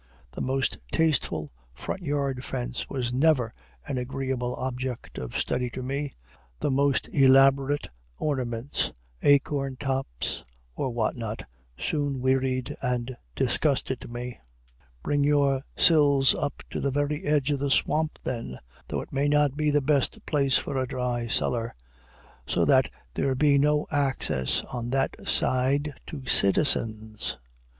The most tasteful front yard fence was never an agreeable object of study to me; the most elaborate ornaments, acorn tops, or what not, soon wearied and disgusted me. Bring your sills up to the very edge of the swamp, then, (though it may not be the best place for a dry cellar,) so that there be no access on that side to citizens.